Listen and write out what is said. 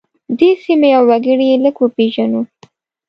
دې سیمې او وګړي یې لږ وپیژنو.